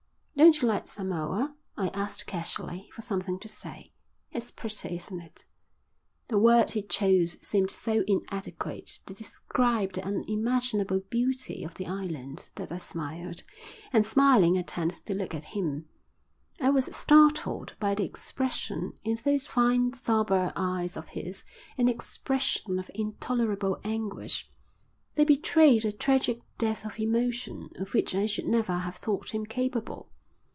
"Don't you like Samoa?" I asked casually, for something to say. "It's pretty, isn't it?" The word he chose seemed so inadequate to describe the unimaginable beauty of the island, that I smiled, and smiling I turned to look at him. I was startled by the expression in those fine sombre eyes of his, an expression of intolerable anguish; they betrayed a tragic depth of emotion of which I should never have thought him capable.